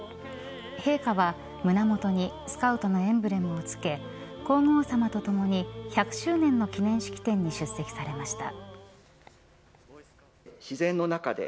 陛下は胸元にスカウトのエンブレムを着け皇后さまと共に１００周年の記念式典に出席されました。